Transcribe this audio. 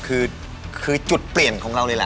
คือจุดเปลี่ยนของเราเลยแหละ